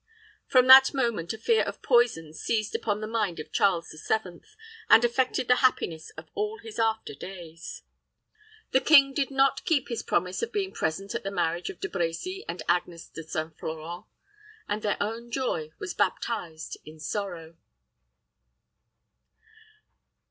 From that moment a fear of poison seized upon the mind of Charles the Seventh, and affected the happiness of all his after days. The king did not keep his promise of being present at the marriage of De Brecy and Agnes de St. Florent, and their own joy was baptized in sorrow.